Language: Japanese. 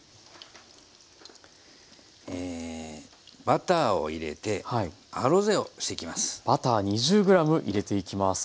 バターを入れてアロゼをしていきます。